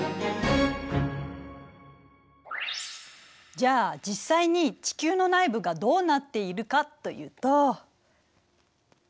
じゃあ実際に地球の内部がどうなっているかというと。